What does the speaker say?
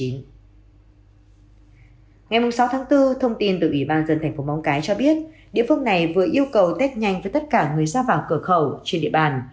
ngày sáu tháng bốn thông tin từ ủy ban dân tp hcm cho biết địa phương này vừa yêu cầu test nhanh với tất cả người ra vào cửa khẩu trên địa bàn